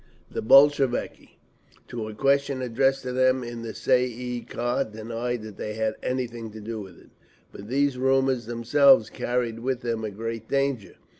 The Bolsheviki, to a question addressed to them in the Tsay ee kah, denied that they have anything to do with it…. But these rumours themselves carry with them a great danger.